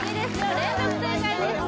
連続正解です